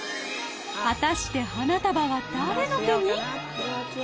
果たして花束は誰の手に？